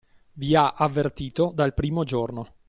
Vi ha avvertito dal primo giorno.